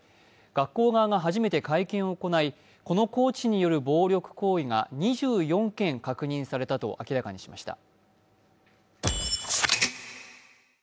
学校側が初めて会見を行い、このコーチによる暴力行為が２４件確認されたと明らかにしました。